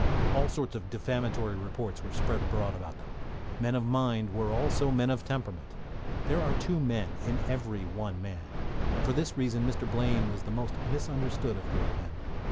All sorts of defamatory reports were spread abroad about them. Men of mind are also men of temperament. There are two men in every one man, and for this reason Mr. Blaine was the most misunderstood of great men.